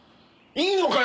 いいのかよ？